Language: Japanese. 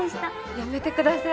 やめてください。